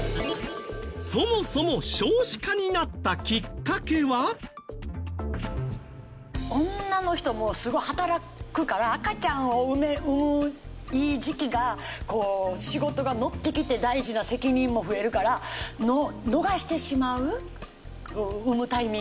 そもそも女の人もすごく働くから赤ちゃんを産むいい時期が仕事がノッてきて大事な責任も増えるから逃してしまう産むタイミングを。